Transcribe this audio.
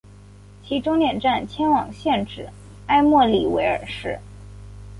其终点站迁往现址埃默里维尔市。